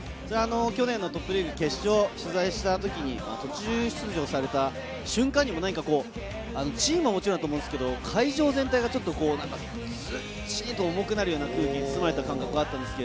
去年のトップリーグ決勝を取材した時に、途中出場された瞬間にも、何かチームはもちろん、会場全体がずっしりと重くなるような空気に包まれた感覚がありました。